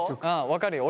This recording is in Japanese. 分かるよ